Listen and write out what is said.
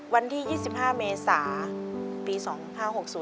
วันที่๒๕เมษาปี๒๕๖๐